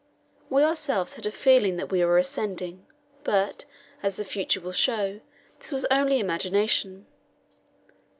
We ourselves had a feeling that we were ascending, but, as the future will show, this was only imagination.